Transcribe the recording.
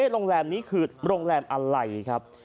โรงแรมนี้คือโรงแรมอะไรครับ